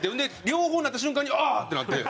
両方になった瞬間にああ！ってなって。